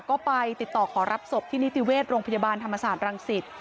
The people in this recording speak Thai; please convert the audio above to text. ก็ไปติดต่อขอรับศพที่นิติเวชโรงพยาบาลธรรมศาสตร์รังสิต